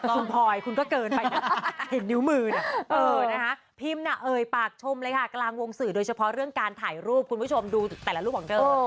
คุณพลอยคุณก็เกินไปนะคะเห็นนิ้วมือนะพิมพ์น่ะเอ่ยปากชมเลยค่ะกลางวงสื่อโดยเฉพาะเรื่องการถ่ายรูปคุณผู้ชมดูแต่ละรูปของเธอ